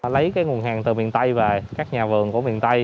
lấy cái nguồn hàng từ miền tây về các nhà vườn của miền tây